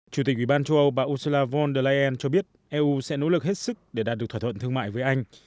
chủ tịch ủy ban châu âu bà ursula von der leyen cho biết eu sẽ nỗ lực hết sức để đạt được thỏa thuận thương mại với anh